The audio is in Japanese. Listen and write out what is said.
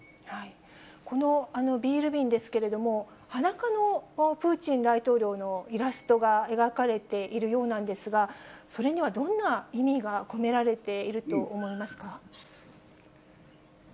このビール瓶ですけれども、裸のプーチン大統領のイラストが描かれているようなんですが、それにはどんな意味が込められていると思いますか？